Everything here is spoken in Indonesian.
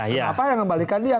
kenapa yang mengembalikan dia